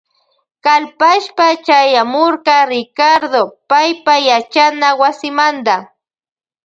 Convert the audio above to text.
Kalpashpa chayamurka Ricardo paypa yachana wasimanta.